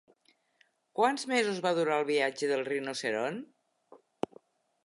Quants mesos va durar el viatge del rinoceront?